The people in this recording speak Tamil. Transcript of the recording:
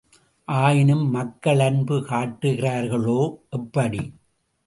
ஆயினும் மக்கள் அன்பு காட்டுகிறார்களே எப்படி?